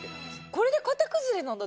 これで形崩れなんだ。